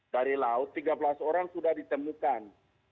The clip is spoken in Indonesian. dari laut tiga belas orang sudah ditemukan